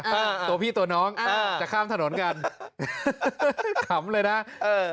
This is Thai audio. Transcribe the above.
เออเออตัวพี่ตัวน้องเออจะข้ามถนนกันขำเลยน่ะเออ